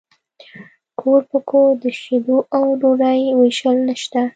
کور په کور د شیدو او ډوډۍ ویشل نشته